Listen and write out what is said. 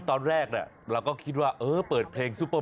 ตอนแรกเราก็คิดว่าเออเปิดเพลงซุปเปอร์